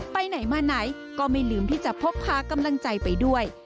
ไปไหนมาไหนก็ไม่ลืมที่จะพกพากำลังใจไปด้วย